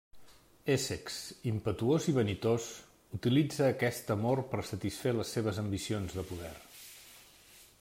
Essex, impetuós i vanitós, utilitza aquest amor per satisfer les seves ambicions de poder.